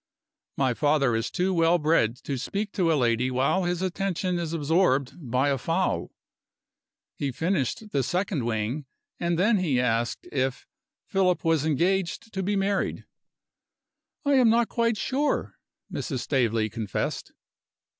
My father is too well bred to speak to a lady while his attention is absorbed by a fowl. He finished the second wing, and then he asked if "Philip was engaged to be married." "I am not quite sure," Mrs. Staveley confessed.